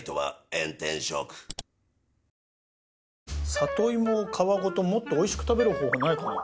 里芋を皮ごともっとおいしく食べる方法ないかな？